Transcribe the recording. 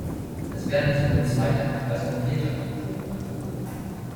Es werden sowohl Zweitakt- als auch Viertakt Motoren angeboten.